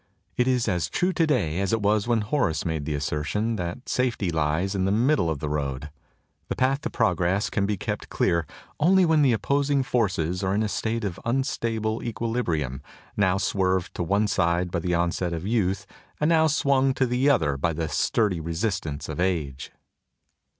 It is as true today as it was when Horace made the assertion, that safety lies in the middle of the road. The path to progress can be kept clear only when the opposing forces are in a state of unstable equilibrium, now swerved to one side by the onset of youth and now swung to the other by the sturdy resistance of age.